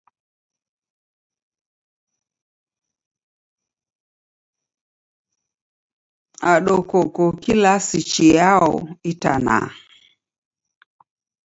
Ado, koko kilasi chiyao itanaha?